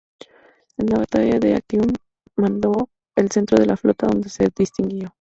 En la batalla de Actium mandó el centro de la flota, donde se distinguió.